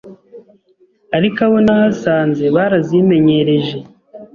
ariko abo nahasanze barazimenyereje